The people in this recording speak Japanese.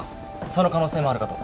その可能性もあるかと。